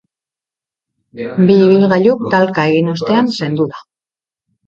Bi ibilgailuk talka egin ostean zendu da.